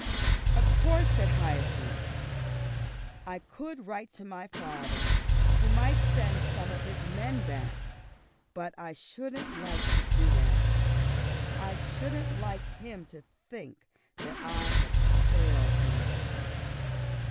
"Of course," said Hyacinth, "I could write to my father, who might send some of his men back, but I shouldn't like to do that. I shouldn't like him to think that I had failed him."